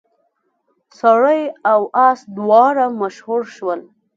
سړی او اس دواړه مشهور شول.